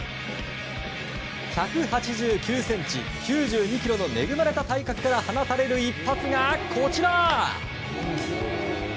１８９ｃｍ、９２ｋｇの恵まれた体格から放たれる一発がこちら。